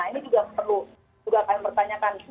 ini juga perlu kami pertanyakan